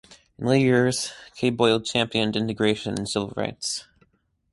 In later years Kay Boyle championed integration and civil rights.